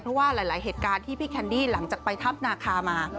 เพราะว่าหลายเหตุการณ์ที่พี่แคนดี้หลังจากไปถ้ำนาคามา